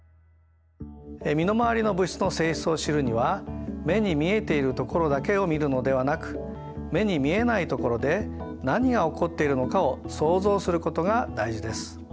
身の回りの物質の性質を知るには目に見えているところだけを見るのではなく目に見えないところで何が起こっているのかを想像することが大事です。